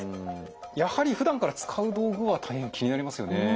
やはりふだんから使う道具は大変気になりますよね。